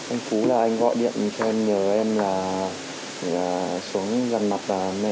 ông phú là anh gọi điện cho em nhờ em là xuống gần mặt mẹ chị đào